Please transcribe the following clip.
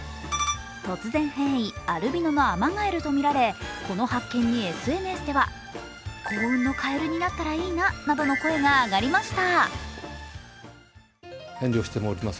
突然変異、アルビノのアマガエルとみられこの発見にＳＮＳでは、幸運のカエルになったらいいななどの声が上がりました。